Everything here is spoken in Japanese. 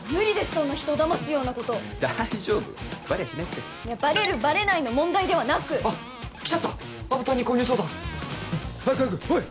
そんな人をだますようなこと大丈夫バレやしないってバレるバレないの問題ではなくあっきちゃったアバターに購入相談早く早くはい！